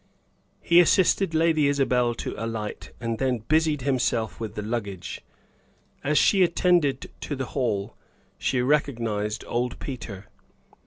He assisted Lady Isabel to alight, and then busied himself with the luggage. As she ascended to the hall she recognized old Peter.